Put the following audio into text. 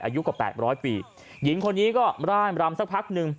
อายุกว่าแปดร้อยปีหญิงคนนี้ก็ร่านรำสักพักหนึ่ง